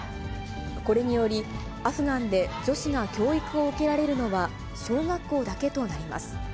これにより、アフガンで女子が教育を受けられるのは、小学校だけとなります。